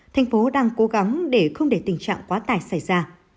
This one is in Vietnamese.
tp hcm đang cố gắng để không để tình trạng quá tải xảy ra